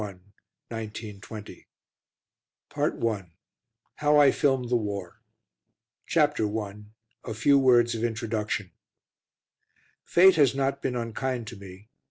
QUENTIN 302 PART I HOW I FILMED THE WAR CHAPTER I A FEW WORDS OF INTRODUCTION Fate has not been unkind to me.